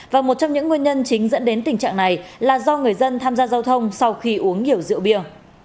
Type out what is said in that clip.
và một trong những nguyên nhân chính dẫn đến tình trạng này là do người dân tham gia giao thông sau khi uống rượu bia